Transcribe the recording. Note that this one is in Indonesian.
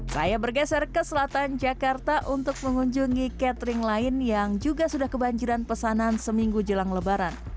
saya bergeser ke selatan jakarta untuk mengunjungi catering lain yang juga sudah kebanjiran pesanan seminggu jelang lebaran